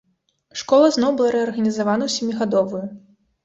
Школа зноў была рэарганізавана ў сямігадовую.